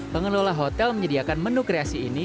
pengelola hotel menyediakan menu kreasi ini